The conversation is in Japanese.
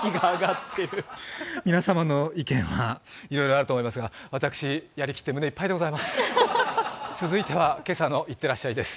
皆様の意見はいろいろあると思いますが、私やりきって胸いっぱいでございます。